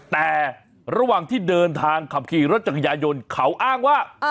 แต่ระหว่างที่เดินทางขับขี่รถจักรยายนเขาอ้างว่า